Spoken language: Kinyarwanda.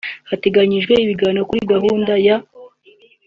Hateganyijwe ibiganiro kuri gahunda ya